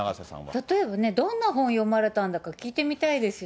例えばどんな本を読まれたんだか聞いてみたいですよね。